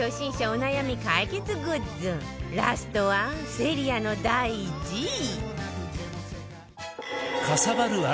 お悩み解決グッズラストは Ｓｅｒｉａ の第１位